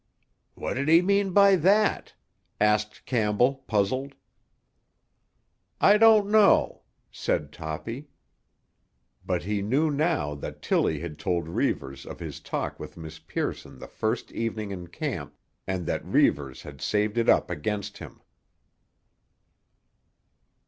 "What did he mean by that?" asked Campbell, puzzled. "I don't know," said Toppy. But he knew now that Tilly had told Reivers of his talk with Miss Pearson the first evening in camp, and that Reivers had saved it up against him.